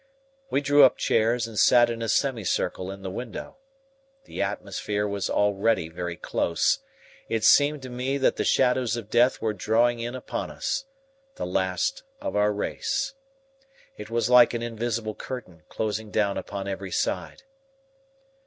We drew up chairs and sat in a semicircle in the window. The atmosphere was already very close. It seemed to me that the shadows of death were drawing in upon us the last of our race. It was like an invisible curtain closing down upon every side.